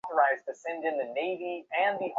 কিন্তু উহাদের একটিও শ্রুতি হইতে আসে নাই।